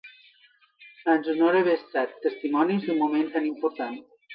Ens honora haver estat testimonis d'un moment tan important.